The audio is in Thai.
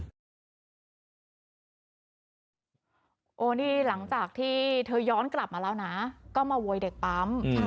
นี่หลังจากที่เธอย้อนกลับมาแล้วนะก็มาโวยเด็กปั๊ม